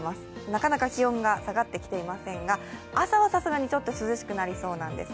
なかなか気温が下がってきておりませんが、朝はさすがにちょっと涼しくなりそうなんです。